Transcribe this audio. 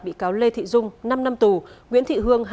bị cáo lê thị dung năm năm tù nguyễn thị hương